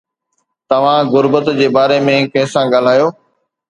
توهان غربت جي باري ۾ ڪنهن سان ڳالهايو؟